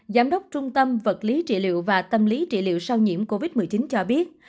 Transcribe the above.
giám đốc trung tâm vật lý trị liệu và tâm lý trị liệu sau nhiễm covid một mươi chín cho biết